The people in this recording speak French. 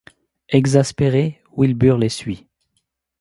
Exaspéré, Wilbur les suit.